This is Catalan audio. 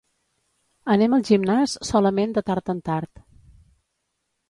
Anem al gimnàs solament de tard en tard.